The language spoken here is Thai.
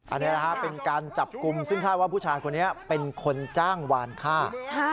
อันนี้เป็นการจับกลุ่มซึ่งคาดว่าผู้ชายคนนี้เป็นคนจ้างวานฆ่า